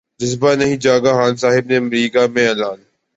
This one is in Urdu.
جذبہ نہیں جاگا خان صاحب نے امریکہ میں اعلان